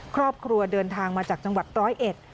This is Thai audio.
ครอบครัวเดินทางมาจากจังหวัดร้อยเอ็ด